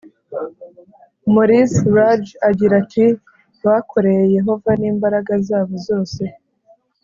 Maurice Raj agira ati bakoreye Yehova n imbaraga zabo zose.